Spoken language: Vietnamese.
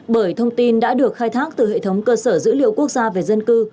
bởi thông tin đã được khai thác từ hệ thống cơ sở dữ liệu quốc gia về dân cư